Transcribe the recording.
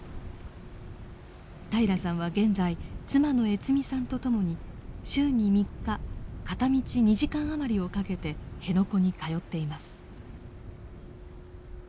平良さんは現在妻の悦美さんと共に週に３日片道２時間余りをかけて辺野古に通っています。